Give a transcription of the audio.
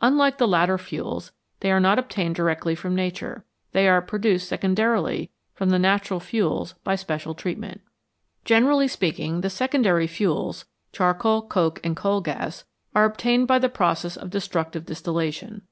Unlike the latter fuels, they are not obtained directly from Nature ; they are produced secondarily from the natural fuels by special treatment. Generally speaking, the secondary fuels, charcoal, coke, and coal gas, are obtained by the process of destructive distillation.